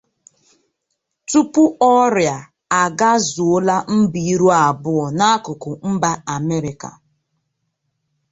Tupu ọrịa a agazuola mba iri abụọ n'akụkụ mba Amerịka.